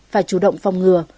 phải chủ động phòng ngừa